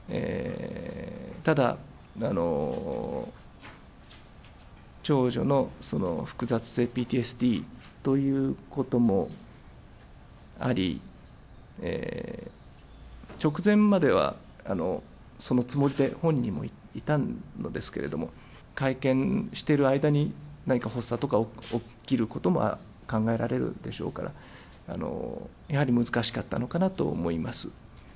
ただ、長女の複雑性ＰＴＳＤということもあり、直前までは、そのつもりで本人もいたのですけれども、会見している間に、何か発作とか起きることも考えられるでしょうから、やはり難しかったのかなと思います。